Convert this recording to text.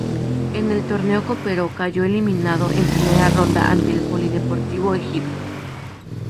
En el torneo copero cayó eliminado en primera ronda ante el Polideportivo Ejido.